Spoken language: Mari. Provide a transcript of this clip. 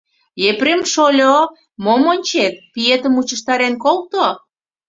— Е-епрем шо-шольо, мом ончет, пиетым мучыштарен колто.